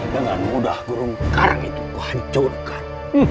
dengan mudah gurung karang itu kuhancurkan